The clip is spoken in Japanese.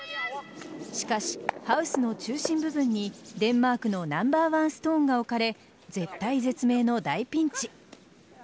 しかし、ハウスの中心部分にデンマークのナンバーワンストーンが置かれ絶体絶命の大ピンチ。